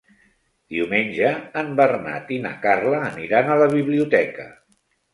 Diumenge en Bernat i na Carla aniran a la biblioteca.